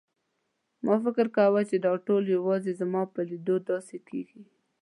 ما فکر کاوه چې دا ټول یوازې زما په لیدو داسې کېږي.